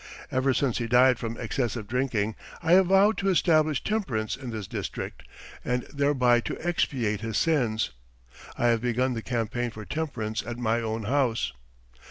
Ever since he died from excessive drinking I have vowed to establish temperance in this district and thereby to expiate his sins. I have begun the campaign for temperance at my own house.